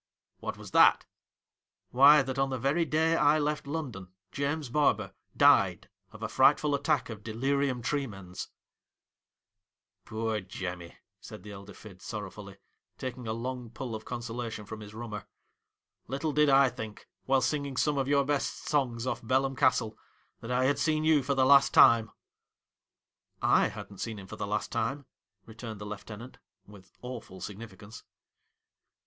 ' What was that 1 '' Why, that, on the very day I left London, James Barber died of a frightful attack of delirium tremens !'' Poor Jemmy !' said the elder Fid sorrow fully, taking a long pull of consolation from his rummer. ' Little did I think, while singing some of your best songs off Belem Castle, that I had seen you for the last time !'' 1 hadn't seen him for the last time,' re turned the lieutenant, with awful significance.